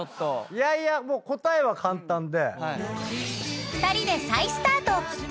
いやいや答えは簡単で。